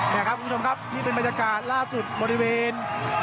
นี่ครับคุณผู้ชมครับนี่เป็นบรรยากาศล่าสุดบริเวณ